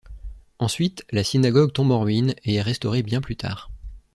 Ensuite, la synagogue tombe en ruines et est restaurée bien plus tard.